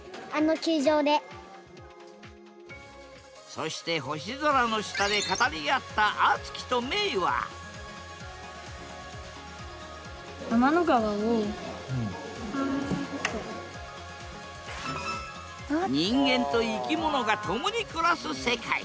そして星空の下で語り合った人間と生き物が共に暮らす世界。